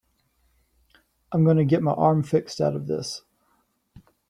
I'm gonna get my arm fixed out of this.